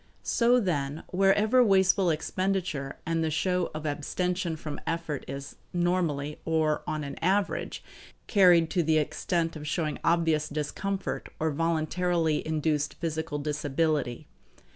So, then, wherever wasteful expenditure and the show of abstention from effort is normally, or on an average, carried to the extent of showing obvious discomfort or voluntarily induced physical disability.